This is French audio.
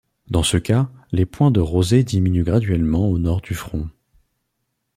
Dans ce cas, les points de rosée diminuent graduellement au nord du front.